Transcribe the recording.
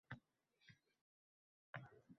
Turizmning yangi qirralari